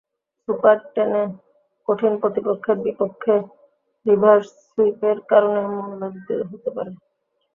Super টেনে কঠিন প্রতিপক্ষের বিপক্ষে রিভার্স সুইপের কারণে মূল্য দিতে হতে পারে।